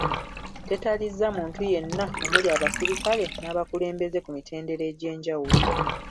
Tetalizza muntu yenna omuli abaserikale n'abakulembeze ku mitendera egy'enjawulo.